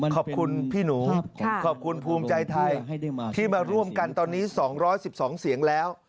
ขอบคุณพี่หนูขอบคุณภูมิใจไทยที่มาร่วมกันตอนนี้๒๑๒เสียงแล้ว